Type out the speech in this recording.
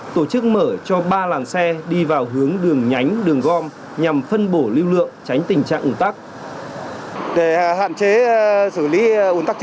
tổ chức mở cho ba làng xe đi vào hướng đường nhánh đường gom nhằm phân bổ lưu lượng tránh tình trạng ủng tắc